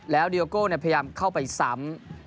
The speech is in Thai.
แล้วดีโอโก้พยายามเข้าไปซ้ำ